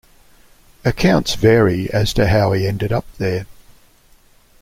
Accounts vary as to how he ended up there.